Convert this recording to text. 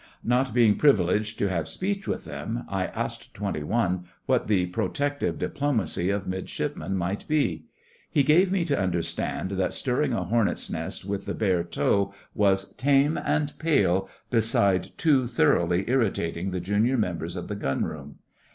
Not being privileged to have speech with them, I asked Twenty One what the 'protective diplomacy' of Midshipmen might be. He gave me to understand that stirring a hornets' nest with the bare toe was tame and pale beside too thoroughly irritating the junior members of the Gun room.